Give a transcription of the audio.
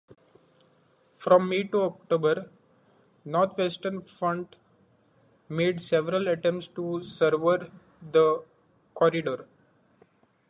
From May to October Northwestern Front made several attempts to sever the corridor.